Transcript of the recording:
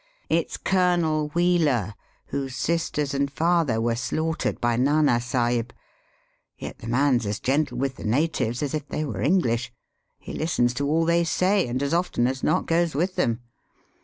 It's Colonel Wheeler, whose sisters and father were slaughtered by Nana Sahib. Yet the man's as gentle with the natives as if they were EngUsh. He listens to all they say, and as often as not goes with them.